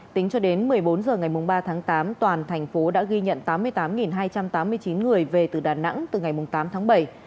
tính cho đến một mươi bốn h ngày ba tháng tám toàn thành phố đã ghi nhận tám mươi tám hai trăm tám mươi chín người về từ đà nẵng từ ngày tám tháng bảy